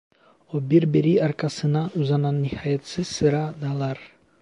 O birbiri arkasına uzanan nihayetsiz sıra dağlar!